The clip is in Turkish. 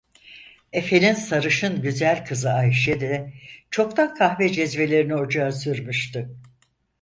Efenin sarışın güzel kızı Ayşe de çoktan kahve cezvelerini ocağa sürmüştü.